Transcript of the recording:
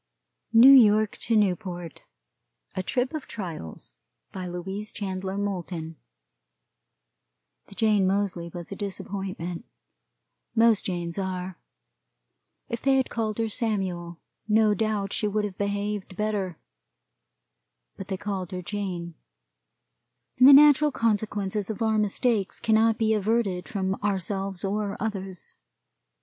NEW YORK TO NEWPORT. A Trip of Trials. BY LOUISE CHANDLER MOULTON. The Jane Moseley was a disappointment most Janes are. If they had called her Samuel, no doubt she would have behaved better; but they called her Jane, and the natural consequences of our mistakes cannot be averted from ourselves or others.